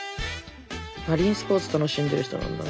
マリンスポーツ楽しんでる人なんだな。